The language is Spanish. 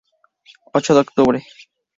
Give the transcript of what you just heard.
Ocho de Octubre, Av.